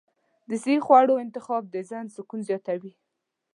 د صحي خواړو انتخاب د ذهن سکون زیاتوي.